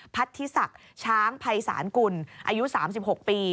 พัทธิศักดิ์ช้างภัยศาลกุลอายุ๓๖ปี